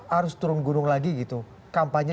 harus turun gunung lagi gitu kampanye